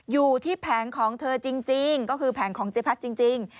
อยู่ที่แผงของเธอจริงก็คือแผงของเจ๊พัดจริง